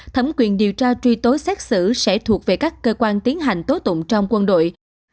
thẩm quyền điều tra truy tố xét xử sẽ thuộc về các cơ quan tiến hành tố tụng trong quân đội